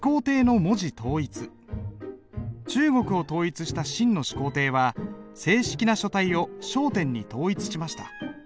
中国を統一した秦の始皇帝は正式な書体を小篆に統一しました。